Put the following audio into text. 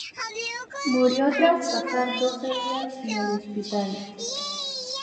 Murió tras pasar doce días en el hospital.